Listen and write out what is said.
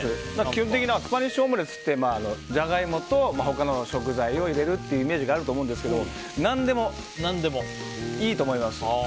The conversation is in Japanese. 基本的にスパニッシュオムレツってジャガイモと他の食材を入れるというイメージがあると思うんですけど何でもいいと思います。